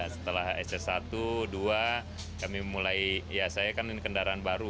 setelah ss satu dua kami mulai ya saya kan ini kendaraan baru